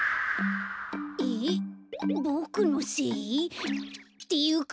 えっボクのせい？っていうか